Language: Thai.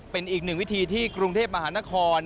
เป็นอีกหนึ่งวิธีที่กรุงเทพมหานคร